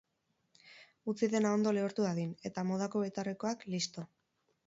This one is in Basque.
Utzi dena ondo lehortu dadin, eta modako betaurrekoak, listo!